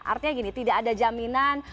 artinya gini tidak ada jaminan